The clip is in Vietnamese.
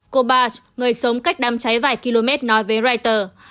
cô barch người sống cách đám cháy vài km nói với reuters